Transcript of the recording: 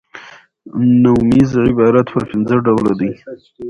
نومیز عبارت پر پنځه ډوله دئ.